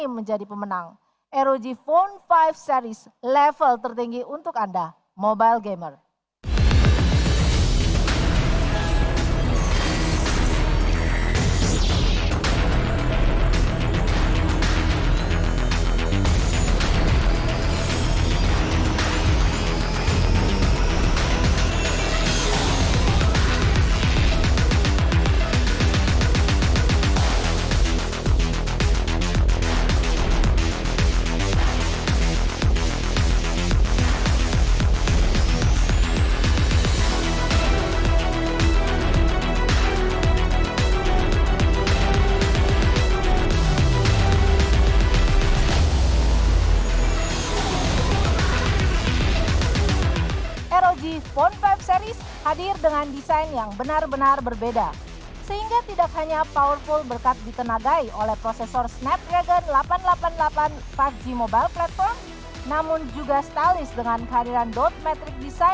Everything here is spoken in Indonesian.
tapi aku ada yang mau aku bahas nih aku pengen bahas tentang layar